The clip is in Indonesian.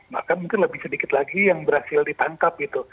maka mungkin lebih sedikit lagi yang berhasil ditangkap gitu